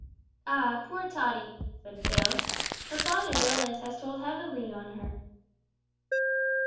"Ah, poor Tottie!" said Phil, "her father's illness has told heavily on her."